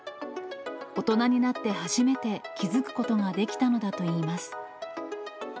大人になって初めて気付くことができたのだといいます。